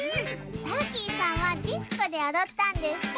ターキーさんはディスコでおどったんですか？